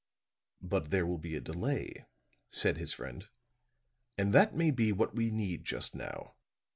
"But there will be a delay," said his friend. "And that may be what we need just now.